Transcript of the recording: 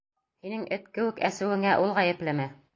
Һинең эт кеүек әсеүеңә ул ғәйеплеме?